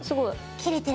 切れてる！